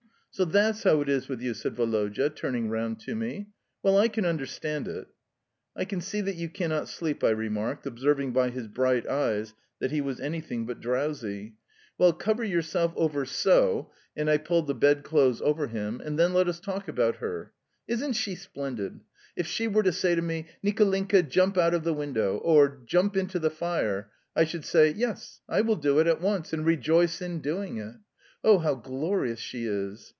"So that's how it is with you? " said Woloda, turning round to me. "Well, I can understand it." "I can see that you cannot sleep," I remarked, observing by his bright eyes that he was anything but drowsy. "Well, cover yourself over SO" (and I pulled the bedclothes over him), "and then let us talk about her. Isn't she splendid? If she were to say to me, 'Nicolinka, jump out of the window,' or 'jump into the fire,' I should say, 'Yes, I will do it at once and rejoice in doing it.' Oh, how glorious she is!"